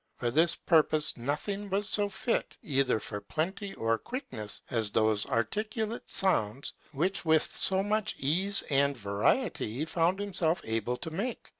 For this purpose nothing was so fit, either for plenty or quickness, as those articulate sounds, which with so much ease and variety he found himself able to make.